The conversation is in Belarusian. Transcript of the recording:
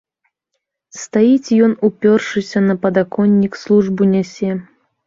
Стаіць ён, успёршыся на падаконнік, службу нясе.